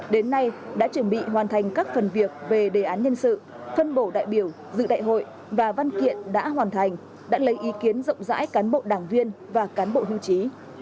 đến nay đã chuẩn bị hoàn thành các phần việc về đề án nhân sự phân bổ đại biểu dự đại hội và văn kiện đã hoàn thành đã lấy ý kiến rộng rãi cán bộ đảng viên và cán bộ hưu trí